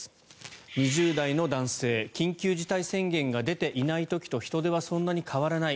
２０代の男性は緊急事態宣言が出ていない時と人出はそんなに変わらない。